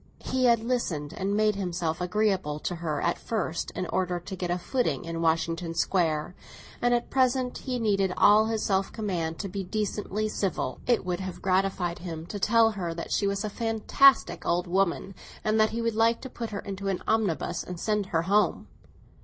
He had listened and made himself agreeable to her at first, in order to get a footing in Washington Square; and at present he needed all his self command to be decently civil. It would have gratified him to tell her that she was a fantastic old woman, and that he should like to put her into an omnibus and send her home.